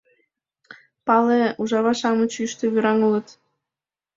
Пале, ужава-шамыч йӱштӧ вӱран улыт.